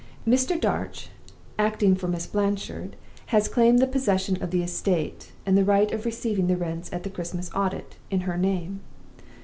"Mr. Darch, acting for Miss Blanchard, has claimed the possession of the estate, and the right of receiving the rents at the Christmas audit, in her name.